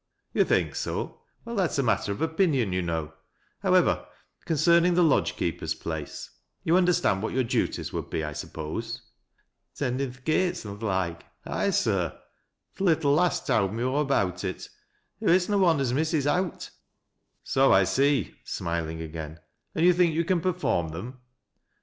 "Tou think so ? Well, that is a matter of opinion, yet know. However — concerning the lodge keeper's placof Yon \mderstand what your duties would be, I suppose J " TEE NEW GATE KEEPER 143 " Teudin' th' gates an' th' loike. Aye sir. Th' little ;u88 towd me aw about it. Hoo is na one as misses owt." " So I see," smiling again. " And you think you can perform them?"